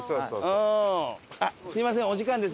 あっすみませんお時間です。